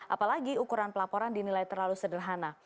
apalagi ukuran pelaporan dinilai terlalu sederhana